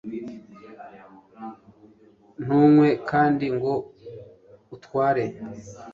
ntunywe kandi ngo utware